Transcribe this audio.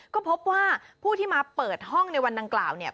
ก็พบว่าผู้ที่มาเปิดห้องในวันดังกล่าวเนี่ย